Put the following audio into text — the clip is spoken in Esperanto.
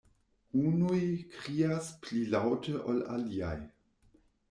Unuj krias pli laŭte ol aliaj.